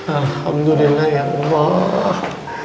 alhamdulillah ya allah